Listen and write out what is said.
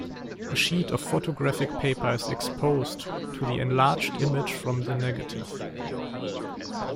A sheet of photographic paper is exposed to the enlarged image from the negative.